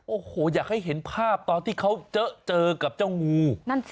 โอ้โหอยากให้เห็นภาพตอนที่เขาเจอกับเจ้างูนั่นสิ